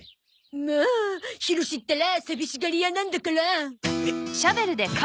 もうひろしったら寂しがり屋なんだから。